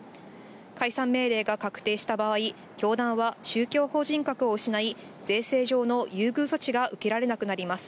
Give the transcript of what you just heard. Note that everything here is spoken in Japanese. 解散命令が確定した場合、教団は宗教法人格を失い、税制上の優遇措置が受けられなくなります。